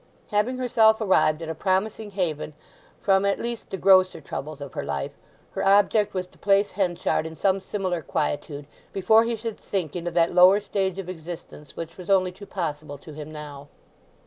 Having herself arrived at a promising haven from at least the grosser troubles of her life, her object was to place Henchard in some similar quietude before he should sink into that lower stage of existence which was only too possible to him now.